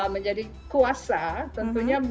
menjadi kuasa tentunya